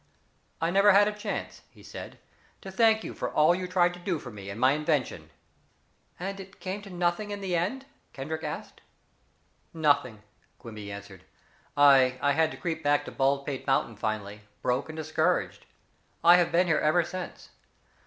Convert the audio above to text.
"I never had a chance," he said, "to thank you for all you tried to do for me and my invention." "And it came to nothing in the end?" Kendrick asked. "Nothing," Quimby answered. "I I had to creep back to Baldpate Mountain finally broke and discouraged. I have been here ever since.